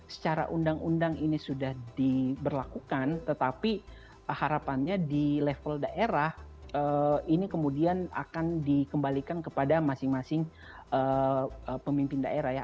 secara undang undang ini sudah diberlakukan tetapi harapannya di level daerah ini kemudian akan dikembalikan kepada masing masing pemimpin daerah ya